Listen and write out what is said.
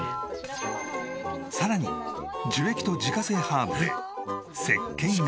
さらに樹液と自家製ハーブで石けんや。